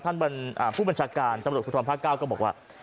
ท่านผู้บัญชาการตำรวจสุธรรมภาคเก้าก็บอกว่า